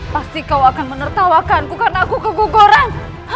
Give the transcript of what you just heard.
pasti kau akan menertawakanku karena aku keguguran